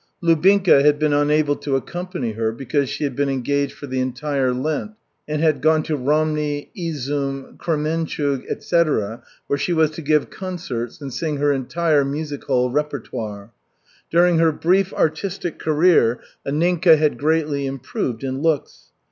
Lubinka had been unable to accompany her because she had been engaged for the entire Lent and had gone to Romny, Izum, Kremenchug, etc., where she was to give concerts and sing her entire music hall repertoire. During her brief artistic career Anninka had greatly improved in looks.